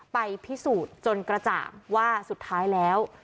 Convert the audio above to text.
ไปพิสูจน์จนกระจ่างว่าสุดท้ายแล้ว